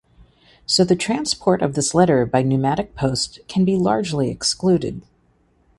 So the transport of this letter by pneumatic post can be largely excluded.